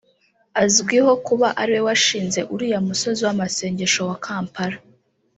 azwiho kuba ariwe washinze uriya musozi w’amasengesho wa Kampala